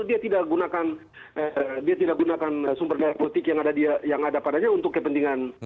dia tidak gunakan sumber daya politik yang ada padanya untuk kepentingan